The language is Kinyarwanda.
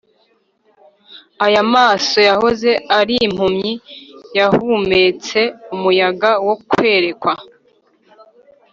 aya maso yahoze ari impumyi yahumetse umuyaga wo kwerekwa,